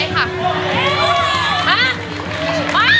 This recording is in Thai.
ใช้